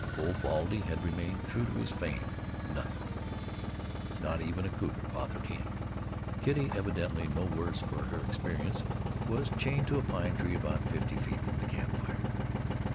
Old Baldy had remained true to his fame nothing, not even a cougar bothered him. Kitty, evidently no worse for her experience, was chained to a pine tree about fifty feet from the campfire.